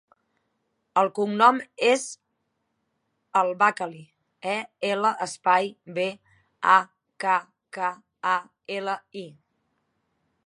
El cognom és El Bakkali: e, ela, espai, be, a, ca, ca, a, ela, i.